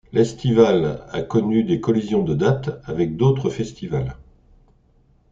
L'Estivale a connu des collisions de date avec d'autres festivals.